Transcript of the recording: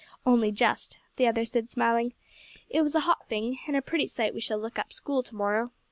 "Only just," the other said, smiling; "it was a hot thing, and a pretty sight we shall look up School to morrow.